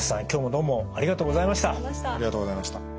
今日もどうもありがとうございました。